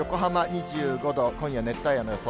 ２５度、今夜、熱帯夜の予想。